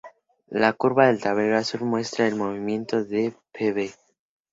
La curva del tablero azul muestra el movimiento de Pb.